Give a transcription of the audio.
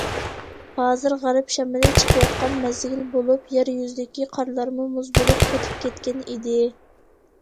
ھازىر غەرب شامىلى چىقىۋاتقان مەزگىل بولۇپ، يەر يۈزىدىكى قارلارمۇ مۇز بولۇپ قېتىپ كەتكەن ئىدى.